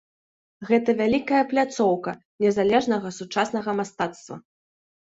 Гэта вялікая пляцоўка незалежнага сучаснага мастацтва.